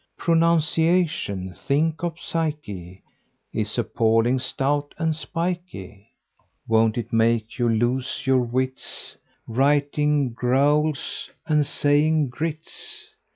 Pronunciation—think of psyche!— Is a paling, stout and spikey; Won't it make you lose your wits, Writing "groats" and saying groats?